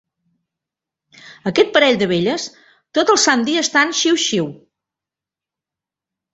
Aquest parell de velles tot el sant dia estan xiu-xiu.